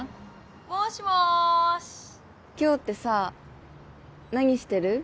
もしもし今日ってさ何してる？